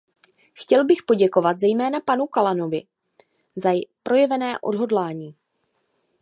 Chtěl bych poděkovat zejména panu Callananovi za projevené odhodlání.